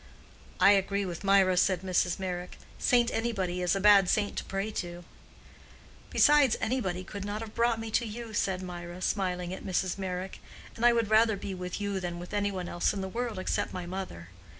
"I agree with Mirah," said Mrs. Meyrick. "Saint Anybody is a bad saint to pray to." "Besides, Anybody could not have brought me to you," said Mirah, smiling at Mrs. Meyrick. "And I would rather be with you than with any one else in the world except my mother.